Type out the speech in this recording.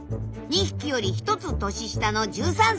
２匹より１つ年下の１３歳。